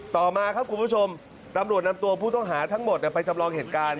ต่อมาครับคุณผู้ชมตำรวจนำตัวผู้ต้องหาทั้งหมดไปจำลองเหตุการณ์